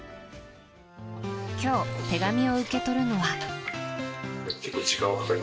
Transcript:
今日、手紙を受け取るのは。